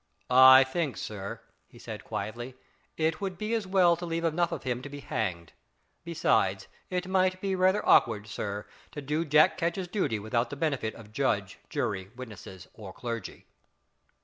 "I think, sir," he said quietly, "it would be as well to leave enough of him to be hanged. Besides, it might be raither awkward, sir, to do Jack Ketch's dooty without the benefit of judge, jury, witnesses, or clergy."